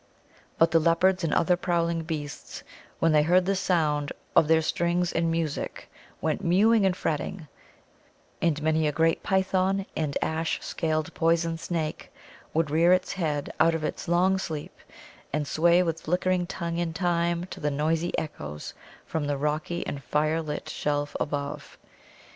But the leopards and other prowling beasts, when they heard the sound of their strings and music, went mewing and fretting; and many a great python and ash scaled poison snake would rear its head out of its long sleep and sway with flickering tongue in time to the noisy echoes from the rocky and firelit shelf above.